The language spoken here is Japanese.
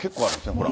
ほら。